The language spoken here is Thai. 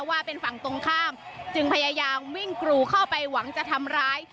ว่าเป็นฝั่งตรงข้ามจึงพยายามวิ่งกรูเข้าไปหวังจะทำร้าย